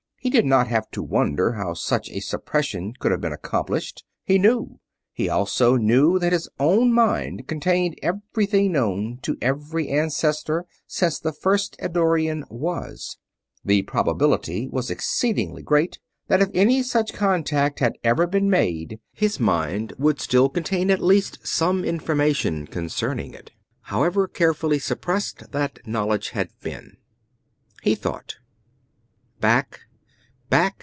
He did not have to wonder how such a suppression could have been accomplished he knew. He also knew that his own mind contained everything known to his every ancestor since the first Eddorian was: the probability was exceedingly great that if any such contact had ever been made his mind would still contain at least some information concerning it, however carefully suppressed that knowledge had been. He thought. Back ... back